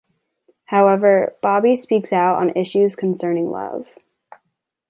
However, Bobby speaks out on issues concerning love.